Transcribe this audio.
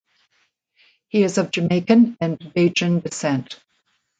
He is of Jamaican and Bajan descent.